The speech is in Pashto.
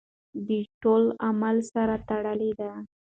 دا ټول عوامل سره تړلي دي.